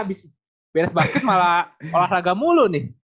habis beres basket malah olahraga mulu nih